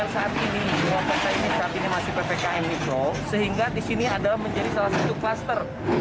sehingga di sini adalah menjadi salah satu kluster